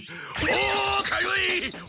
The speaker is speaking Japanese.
おかゆい！